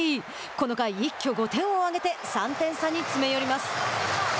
この回、一挙５点を挙げて３点差に詰め寄ります。